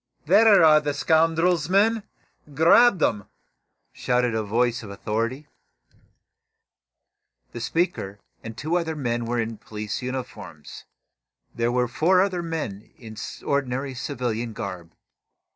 "There are the scoundrels, men! Grab them!" shouted a voice of authority. The speaker and two other men were in police uniforms. Four other men there were in ordinary civilian garb.